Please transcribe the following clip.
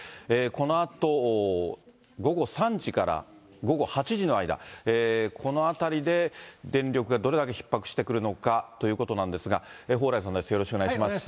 このあと午後３時から午後８時の間、このあたりで電力がどれだけひっ迫してくるのかということなんですが、蓬莱さんです、よろしくお願いします。